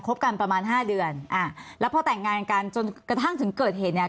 กันประมาณห้าเดือนอ่าแล้วพอแต่งงานกันจนกระทั่งถึงเกิดเหตุเนี่ย